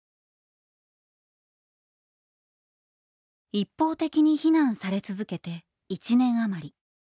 一方的に非難され続けて１年余り。